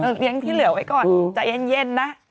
เลี้ยงที่เหลือไว้ก่อนใจเย็นนะ